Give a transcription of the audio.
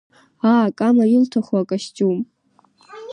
Аа, Кама илҭаху акостиум?!